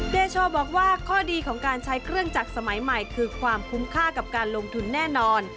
เดโชบอกว่าข้อดีของการใช้เครื่องจักรสมัยใหม่คือความคุ้มค่ากับการลงทุนแน่นอน